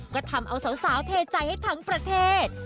ก็ทำเอาสาวเทใจให้ทั้งประเทศ